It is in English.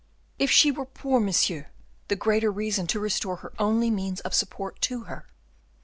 "If she were poor, monsieur, the greater reason to restore her only means of support to her.